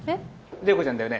怜子ちゃんだよね？